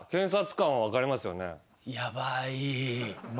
ヤバい。